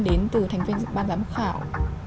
đến từ thành viên ban giám khảo